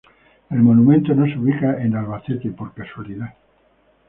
El monumento no se ubica en Albacete por casualidad.